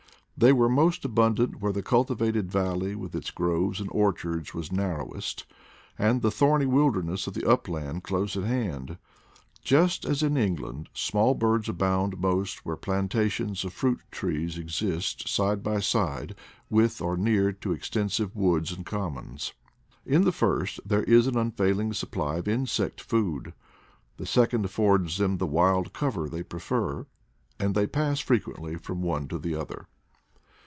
They were most abundant where the cultivated valley with its groves and orchards was narrowest, and the thorny wilder ness of the upland close at hand; just as in Eng land small birds abound most where plantations of fruit trees exist side by side with or near to extensive woods and commons. In the first there is an unfailing supply of insect food, the second affords them the wild cover they prefer, and they pass frequently from one to the other.